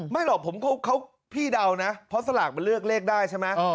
ไม่หรอกผมพี่เดานะเพราะสลากมันเลือกเลขได้ใช่ไหม